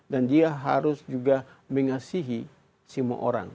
dan dia harus juga mengasihi semua orang